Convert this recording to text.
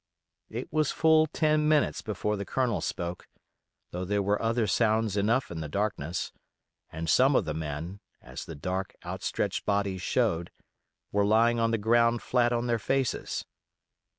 It was full ten minutes before the Colonel spoke, though there were other sounds enough in the darkness, and some of the men, as the dark, outstretched bodies showed, were lying on the ground flat on their faces.